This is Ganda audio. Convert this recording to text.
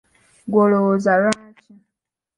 Ggwe olowooza lwaki?